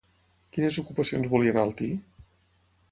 Quines ocupacions volia enaltir?